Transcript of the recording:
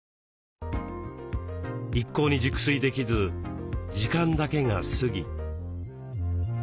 一向に熟睡できず時間だけが過ぎ。